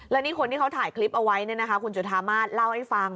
แล้วนี่คนที่เขาถ่ายคลิปเอาไว้คุณจุธามาศเล่าให้ฟัง